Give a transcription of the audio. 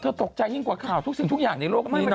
ตกใจยิ่งกว่าข่าวทุกสิ่งทุกอย่างในโลกนี้นะ